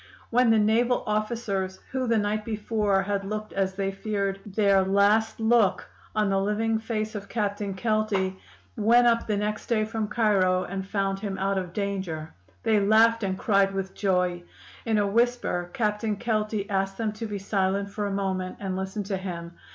"When the naval officers, who the night before had looked, as they feared, their last look on the living face of Captain Kelty, went up the next day from Cairo and found him out of danger, they laughed and cried with joy. In a whisper Captain Kelty asked them to be silent for a moment and listen to him.